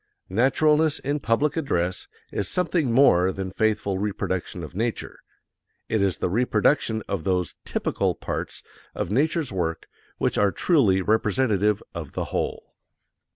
Naturalness in public address is something more than faithful reproduction of nature it is the reproduction of those typical parts of nature's work which are truly representative of the whole.